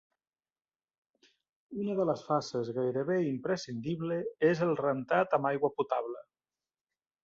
Una de les fases gairebé imprescindible és el rentat amb aigua potable.